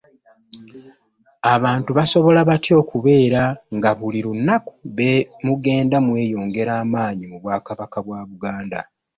Abantu basobola batya okubeera nga buli lunaku mugenda mweyongera maanyi mu Bwakabaka bwa Buganda.